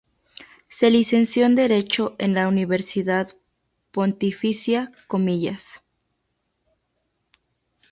Se licenció en derecho en la Universidad Pontificia Comillas.